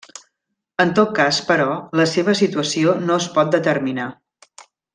En tot cas, però, la seva situació no es pot determinar.